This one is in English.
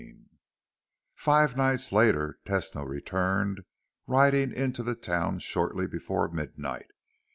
IX Five nights later, Tesno returned, riding into the town shortly before midnight.